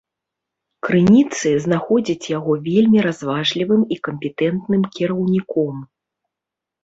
Крыніцы знаходзяць яго вельмі разважлівым і кампетэнтным кіраўніком.